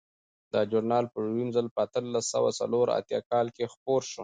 دا ژورنال په لومړي ځل په اتلس سوه څلور اتیا کال کې خپور شو.